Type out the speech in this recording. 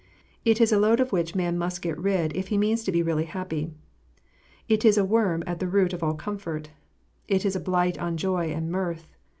It is a load of which man must get rid if he means to be really happy. It is a worm at the root of all comfort. It is a blight on joy and mirth.